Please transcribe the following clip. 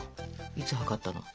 いつ測ったの？